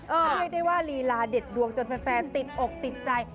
เรียกได้ว่าลีลาเด็ดดวงจนแฟนติดอกติดใจ